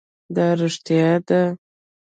دا رښتیا ده